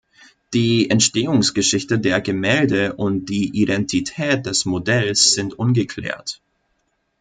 Die Entstehungsgeschichte der Gemälde und die Identität des Modells sind ungeklärt.